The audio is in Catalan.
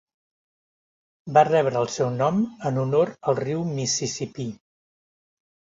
Va rebre el seu nom en honor al riu Mississippi.